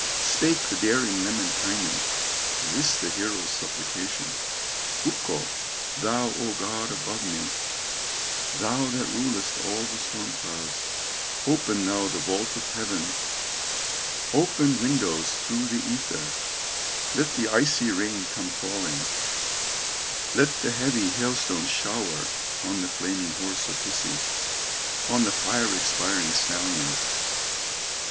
Spake the daring Lemminkainen, This the hero's supplication: "Ukko, thou O God above me, Thou that rulest all the storm clouds, Open thou the vault of heaven, Open windows through the ether, Let the icy rain come falling, Lot the heavy hailstones shower On the flaming horse of Hisi, On the fire expiring stallion."